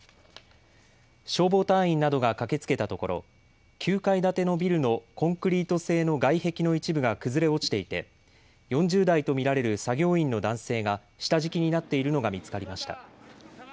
消防隊員などが駆けつけたところ、９階建てのビルのコンクリート製の外壁の一部が崩れ落ちていて４０代と見られる作業員の男性が下敷きになっているのが見つかりました。